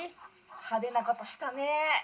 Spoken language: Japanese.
「派手なことしたねえ」。